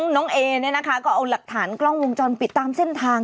น้องเอเนี่ยนะคะก็เอาหลักฐานกล้องวงจรปิดตามเส้นทาง